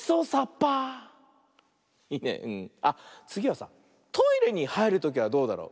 あっつぎはさトイレにはいるときはどうだろう。